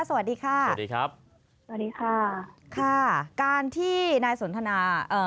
สวัสดีค่ะสวัสดีครับสวัสดีค่ะค่ะการที่นายสนทนาเอ่อ